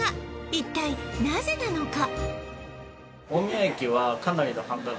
一体なぜなのか？